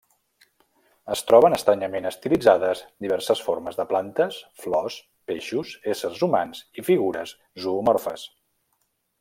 Es troben estranyament estilitzades diverses formes de plantes, flors, peixos, éssers humans i figures zoomorfes.